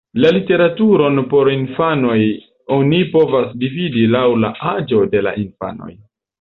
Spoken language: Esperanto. La literaturon por infanoj oni povas dividi laŭ la aĝo de la infanoj.